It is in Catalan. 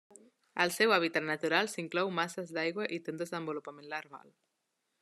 El seu hàbitat natural s'inclou masses d'aigua i té un desenvolupament larval.